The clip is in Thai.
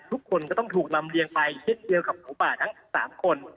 ทุกคนก็ต้องถูกลำเลียงไปเช่นเดียวกับหมูป่าทั้ง๓คน